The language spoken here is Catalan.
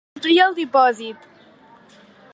Omplir el dipòsit.